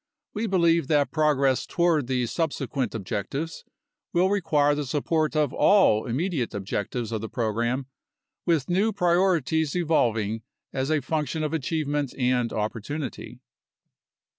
We believe that progress toward the subsequent objectives will require the support of all immediate objectives of the program, with new priorities evolving as a function of achievement and opportunity.